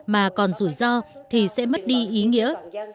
mà còn rủi ro thì sẽ mất đi ý nghĩa